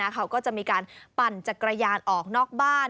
เขาก็จะมีการปั่นจักรยานออกนอกบ้าน